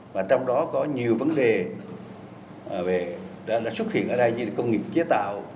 và trong đó có nhiều vấn đề đã xuất hiện ở đây như là công nghiệp chế tạo